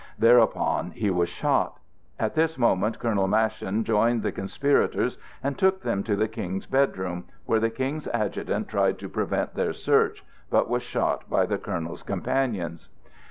Thereupon he was shot. At this moment Colonel Maschin joined the conspirators and took them to the King's bedroom, where the King's adjutant tried to prevent their search, but was shot by the Colonel's companions.